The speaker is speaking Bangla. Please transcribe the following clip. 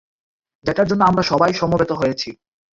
যেটার জন্য আমরা সবাই সমবেত হয়েছি।